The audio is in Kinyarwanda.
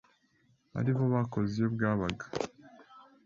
aribo bakoze iyo bwabaga